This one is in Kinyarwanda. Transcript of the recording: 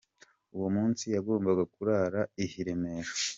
Uwo munsi yagombaga kurara i Remera.